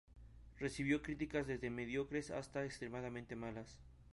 Recibió críticas desde mediocres hasta extremadamente malas.